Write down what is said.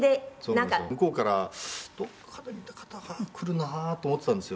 「向こうからどこかで見た方が来るなと思っていたんですよ」